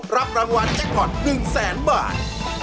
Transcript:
รับรางวัลแจ็คพอร์ต๑แสนบาท